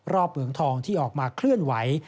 เหมืองทองที่ออกมาเคลื่อนไหว